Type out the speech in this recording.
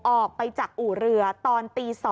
ออกไปจากอู่เรือตอนตี๒